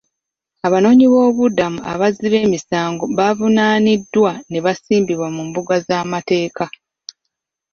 Abanoonyi boobubudamu abazzi b'emisango baavunaaniddwa ne basimbibwa mu mbuga z'amateeka.